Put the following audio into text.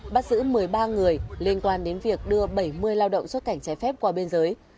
bắt giữ một mươi ba người liên quan đến việc đưa bảy mươi lao động xuất cảnh trái phép qua biên giới